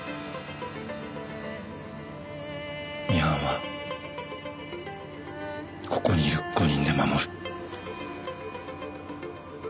ミハンはここにいる５人で守る。